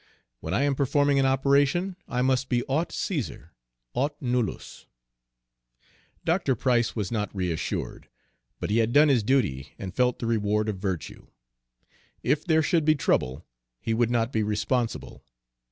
When I am performing an operation I must be aut Caesar, aut nullus." Dr. Price was not reassured, but he had done his duty and felt the reward of virtue. If there should be trouble, he would not be responsible.